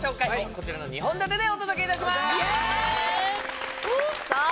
こちらの２本立てでお届けいたしますさあ